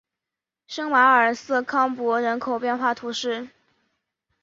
圣马尔瑟康珀人口变化图示